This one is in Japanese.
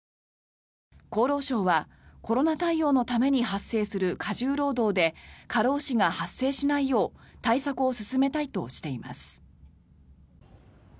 厚労省は、コロナ対応のために発生する過重労働で過労死が発生しないよう対策を進めたいとしています。